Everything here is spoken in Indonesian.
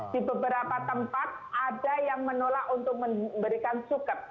di beberapa tempat ada yang menolak untuk memberikan suket